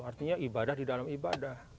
artinya ibadah di dalam ibadah